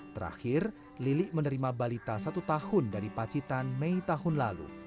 terakhir lili menerima balita satu tahun dari pacitan mei tahun lalu